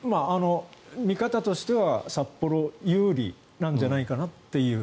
見方としては札幌有利なんじゃないかなという。